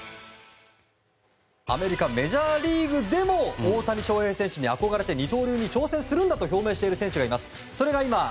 アメリカメジャーリーグでも大谷翔平選手に憧れて二刀流に挑戦するんだと表明している選手がいます。